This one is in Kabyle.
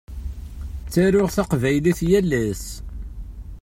Ttaruɣ taqbaylit yal ass.